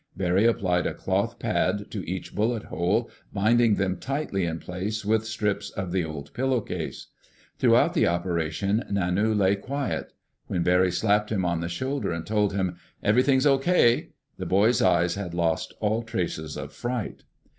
Barry applied a cloth pad to each bullet hole, binding them tightly in place with strips of the old pillowcase. Throughout the operation, Nanu lay quiet. When Barry slapped him on the shoulder and told him, "Everything's okay!" the boy's eyes had lost all trace of fright.